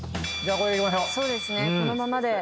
このままで。